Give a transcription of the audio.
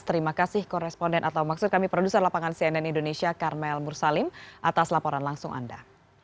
terima kasih koresponden atau maksud kami produser lapangan cnn indonesia karmel mursalim atas laporan langsung anda